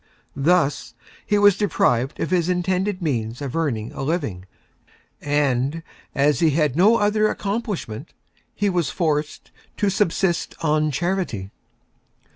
Thus he was Deprived of his Intended Means of Earning a Living, and as he had no other Accomplishment he was Forced to Subsist on Charity.